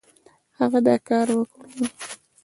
هغه دا کار وکړ.